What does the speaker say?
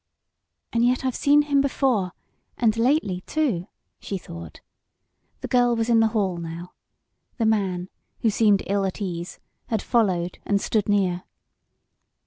"And yet I've seen him before, and lately, too," she thought. The girls was in the hall, now. The man, who seemed ill at ease, had followed and stood near.